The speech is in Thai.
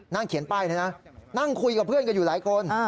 เขียนป้ายนี่นะนั่งคุยกับเพื่อนกันอยู่หลายคน